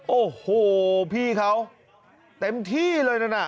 โอ้โฮพี่เขาเต็มที่เลยนะ